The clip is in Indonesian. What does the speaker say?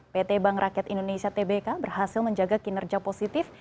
pt bank rakyat indonesia tbk berhasil menjaga kinerja positif